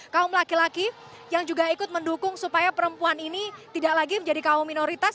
kaum laki laki yang juga ikut mendukung supaya perempuan ini tidak lagi menjadi kaum minoritas